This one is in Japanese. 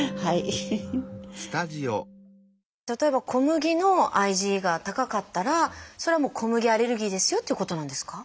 例えば小麦のＩｇＥが高かったらそれはもう小麦アレルギーですよっていうことなんですか？